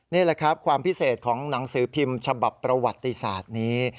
นี่แหละครับความพิเศษของหนังสือพิมพ์ฉบับประวัติศาสตร์นี้